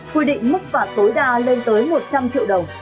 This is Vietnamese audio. quy định mức phạt tối đa lên tới một trăm linh triệu đồng